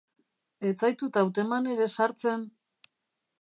Ez zaitut hauteman ere sartzen...